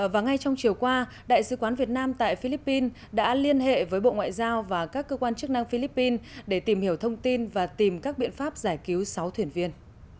và ngay trong chiều qua đại sứ quán việt nam tại philippines đã liên hệ với bộ ngoại giao và các cơ quan chức năng philippines để tìm hiểu thông tin và tìm các biện pháp giải cứu sáu thuyền viên